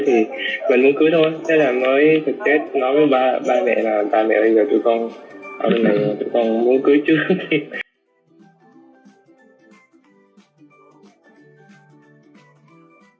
thế là mới thực chất nói với ba mẹ là ba mẹ bây giờ tụi con ở bên này tụi con muốn cưới trước